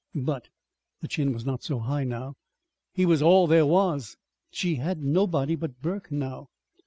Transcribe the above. But the chin was not so high, now he was all there was. She had nobody but Burke now.